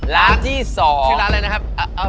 ร้านที่สองชื่อเอร่อยครับ